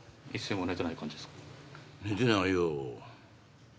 寝てないよ。